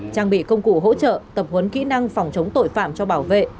trang bị công cụ hỗ trợ tập huấn kỹ năng phòng chống tội phạm cho bảo vệ